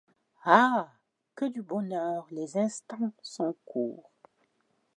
Ah ! que du bonheur les instants sont courts !